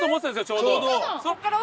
ちょうど。